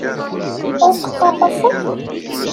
Ur teqqareḍ ass-a?